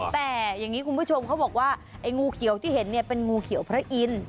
แต่อย่างนี้คุณผู้ชมเขาบอกว่าไอ้งูเขียวที่เห็นเนี่ยเป็นงูเขียวพระอินทร์